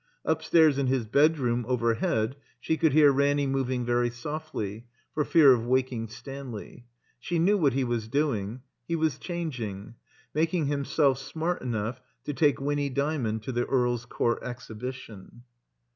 Upstairs in his bedroom overhead she could hear Raimy moving very softly, for fear of waking Stanley. She knew what he was doing. He was changing, making himself smart enough to take Winny E)ymond to the Earl's Coiut Exhibition.